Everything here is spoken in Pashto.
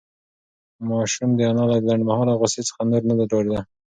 ماشوم د انا له لنډمهاله غوسې څخه نور نه ډارېده.